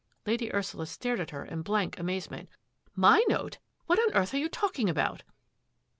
Lady Ursula stared at her in blank amazement. " My note ! What on earth are you talking about?"